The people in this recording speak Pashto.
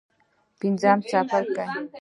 پنځم څپرکی.